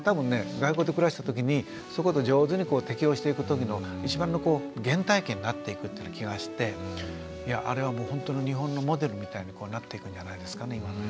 外国で暮らしたときにそこで上手に適応していくときの一番の原体験になっていくっていう気がしてあれはほんとの日本のモデルみたいになっていくんじゃないですかね。